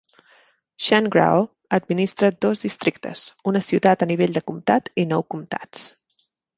Shangrao administra dos districtes, una ciutat a nivell de comtat i nou comtats.